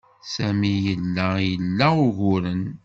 Sami yella ila uguren.